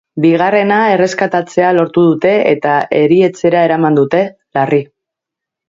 Bigarrena erreskatatzea lortu dute eta erietxera eraman dute, larri.